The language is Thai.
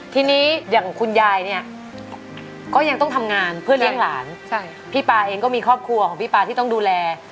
ทีนี้อย่างคุณยายเนี่ยก็ยังต้องทำงานเพื่อเลี้ยงหลานพี่ปลาเองก็มีครอบครัวของพี่ปลาที่ต้องดูแล